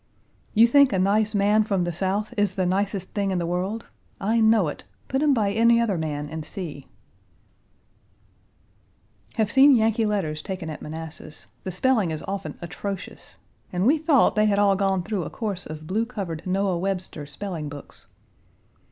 "You think a nice man from the South is the nicest thing in the world? I know it. Put him by any other man and see!" ....................................... Have seen Yankee letters taken at Manassas. The spelling is often atrocious, and we thought they had all gone through a course of blue covered Noah Webster spelling books.